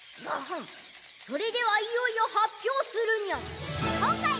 それではいよいよ発表するニャン。